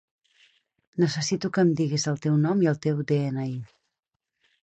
Necessito que em diguis el teu nom i el teu de-ena-i.